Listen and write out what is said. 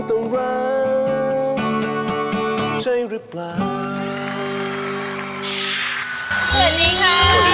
ก้าวเบื้องก้าว